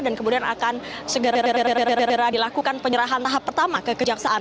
dan kemudian akan segera gera dilakukan penyerahan tahap pertama ke kejaksaan